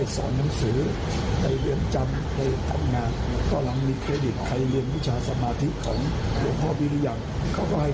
โทษไหลแล้วจะไปทำคุณงามความดีอะไร